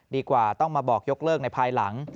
ดีกว่าต้องมาบอกยกเลิกในภายหลัง